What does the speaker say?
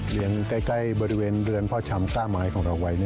ใกล้บริเวณเรือนพ่อชำกล้าไม้ของเราไว้